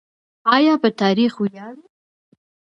آیا په تاریخ ویاړو؟